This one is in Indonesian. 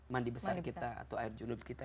mandi besar kita atau air julub kita